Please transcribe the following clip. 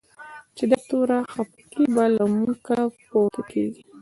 چی دا توره خپکی به؛ له موږ کله پورته کیږی